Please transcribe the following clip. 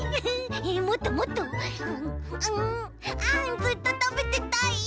あんずっとたべてたい。